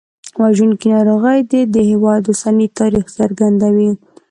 وژونکي ناروغۍ د دې هېوادونو اوسني تاریخ څرګندوي.